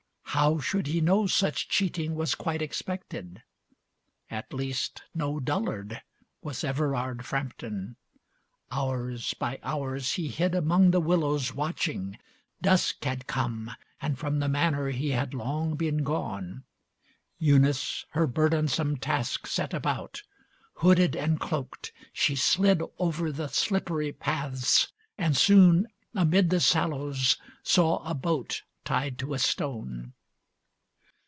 How should he know such cheating Was quite expected, at least no dullard Was Everard Frampton. Hours by hours he hid Among the willows watching. Dusk had come, And from the Manor he had long been gone. Eunice her burdensome Task set about. Hooded and cloaked, she slid Over the slippery paths, and soon amid The sallows saw a boat tied to a stone.